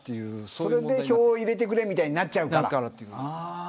それで票を入れてくれみたいになっちゃうから。